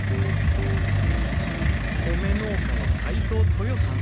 米農家の齋藤トヨさん。